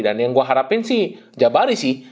dan yang gua harapin sih jabari sih